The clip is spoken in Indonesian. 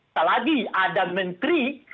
setelah lagi ada menteri